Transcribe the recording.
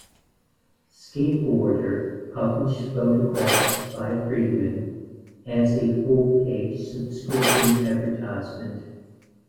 "SkateBoarder" published photographs by Friedman as a full-page subscription advertisement.